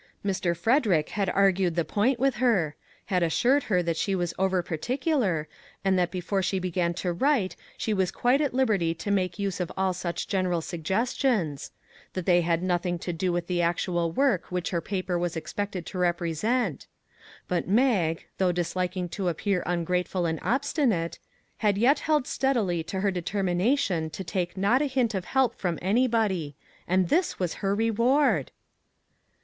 Mr. Frederick had argued the point with her; had assured her that she was over particular, and that before she began to write she was quite at liberty to make use of all such general suggestions; that they had nothing to do with the actual work which her paper was expected to represent; but Mag, though dis liking to appear ungrateful and obstinate, had yet held steadily to her determination to take not a hint of help from anybody and this was her reward